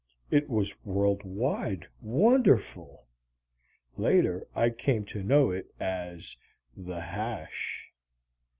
It was world wide, wonderful. (Later I came to know it as the "Hash"!)